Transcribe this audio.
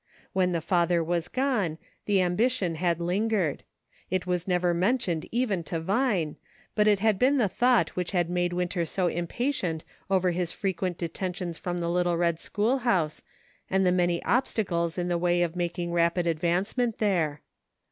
When the father was gone, the am bition had lingered ; it was never mentioned even to Vine, but it had been the thought which had made Winter so impatient over his frequent de tentions from the little red schoolhouse, and the many obstacles in the way of making rapid advance ment there.